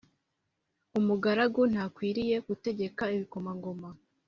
umugaragu ntakwiriye gutegeka ibikomangoma